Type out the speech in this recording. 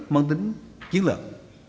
mang tính chiến lược